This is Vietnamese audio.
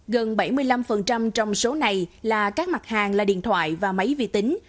gần bảy mươi năm trong số này là các mặt hàng là điện thoại và máy vi tính